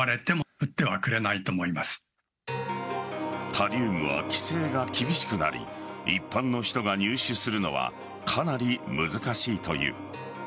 タリウムは規制が厳しくなり一般の人が入手するのはかなり難しいという。